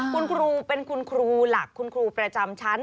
คุณครูเป็นคุณครูหลักคุณครูประจำชั้น